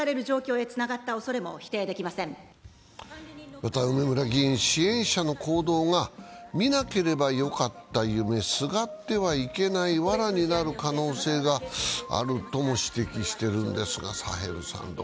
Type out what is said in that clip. また、梅村議員、支援者の行動が見なければよかった夢、すがってはいけないわらになる可能性があるとも指摘しているんですが。